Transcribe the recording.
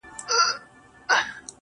ستا د خولې سلام مي د زړه ور مات كړ~